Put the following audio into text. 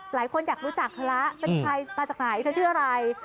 หลายคนอยากรู้จักเธอแล้วเป็นใครมาจากไหนเธอชื่ออะไร